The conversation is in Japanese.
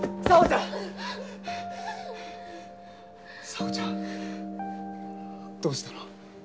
沙帆ちゃんどうしたの？